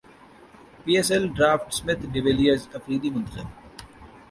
پی S L draft Smith de Villiers Afridi منتخب